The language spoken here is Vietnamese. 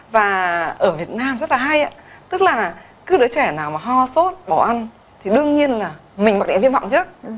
và ở việt nam rất là hay tức là cứ đứa trẻ nào mà ho sốt bỏ ăn thì đương nhiên là mình mặc định viêm họng trước